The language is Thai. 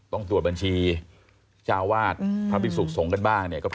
ต้องตรวจบัญชีเจ้าวาดพระพิกษุกษงซ์กันบ้าง